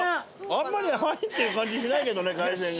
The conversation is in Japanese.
あんまり入ってる感じしないけどね海鮮が。